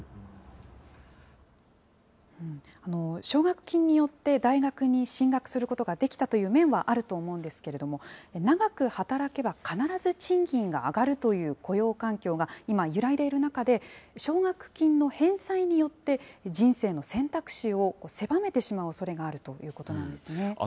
奨学金によって大学に進学することができたという面はあると思うんですけれども、長く働けば、必ず賃金が上がるという雇用環境が今、揺らいでいる中で、奨学金の返済によって、人生の選択肢を狭めてしまうおそれがあるということなんですね。